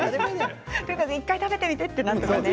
１回食べてみてってなる。